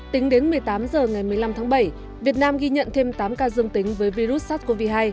tính đến một mươi tám h ngày một mươi năm tháng bảy việt nam ghi nhận thêm tám ca dương tính với virus sars cov hai